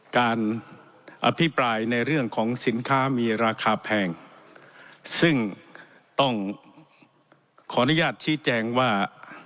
การอภิปรายในเรื่องของสินค้ามีราคาแพงซึ่งต้องขออนุญาตชี้แจงว่า